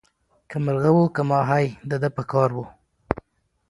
که مرغه وو که ماهی د ده په کار وو